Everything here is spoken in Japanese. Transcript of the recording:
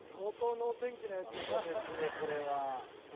アホですねこれは。